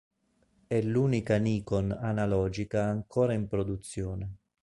È l'unica Nikon analogica ancora in produzione.